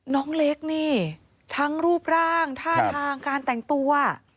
น้องเล็กนี่ทั้งรูปร่างท่าทางการแต่งตัว